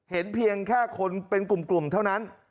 เห็นเพียงแค่คนเป็นกลุ่มเท่านั้น